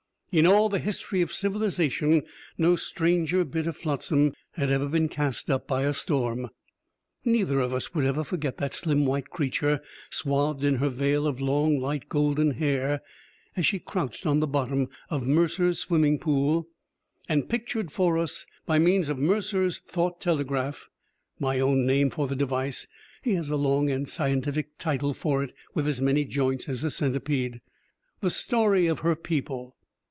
In all the history of civilization, no stranger bit of flotsam had ever been cast up by a storm. Neither of us would ever forget that slim white creature, swathed in her veil of long, light golden hair, as she crouched on the bottom of Mercer's swimming pool, and pictured for us, by means of Mercer's thought telegraph (my own name for the device; he has a long and scientific title for it with as many joints as a centipede), the story of her people.